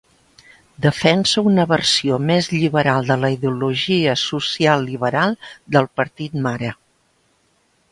Defensa una versió més lliberal de la ideologia social liberal del partit mare.